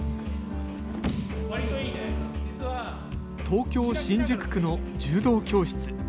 東京・新宿区の柔道教室。